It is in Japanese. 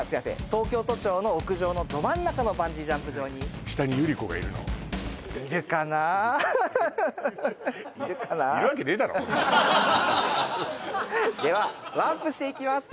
東京都庁の屋上のど真ん中のバンジージャンプ場にではワンプッシュでいきます